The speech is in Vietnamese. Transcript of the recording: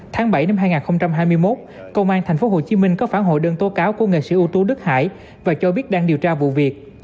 tháng bảy năm hai nghìn hai mươi một công an tp hcm có phản hồi đơn tố cáo của nghệ sĩ ưu tú đức hải và cho biết đang điều tra vụ việc